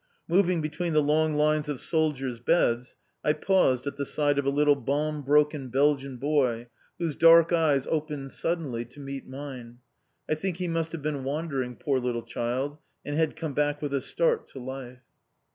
Moving between the long lines of soldiers' beds I paused at the side of a little bomb broken Belgian boy whose dark eyes opened suddenly to meet mine. I think he must have been wandering, poor little child, and had come back with a start to life.